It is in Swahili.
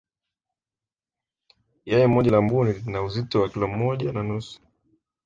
yai moja la mbuni lina uzito wa kilo moja na nusu